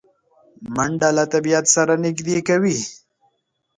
منډه له طبیعت سره نږدې کوي